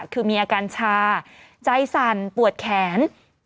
คือมีอาการชาใจสั่นปวดแขน